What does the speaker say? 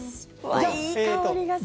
いい香りがする。